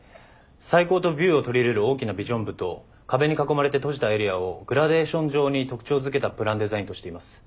採光とビューを取り入れる大きなビジョン部と壁に囲まれて閉じたエリアをグラデーション状に特徴づけたプランデザインとしています。